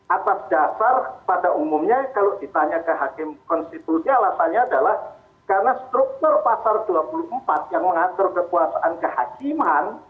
atas dasar pada umumnya kalau ditanya ke hakim konstitusi alasannya adalah karena struktur pasar dua puluh empat yang mengatur kekuasaan kehakiman